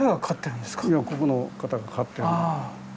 いやここの方が飼ってる。